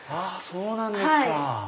そうなんですか。